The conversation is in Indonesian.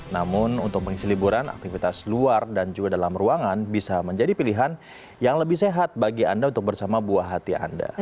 namun untuk mengisi liburan aktivitas luar dan juga dalam ruangan bisa menjadi pilihan yang lebih sehat bagi anda untuk bersama buah hati anda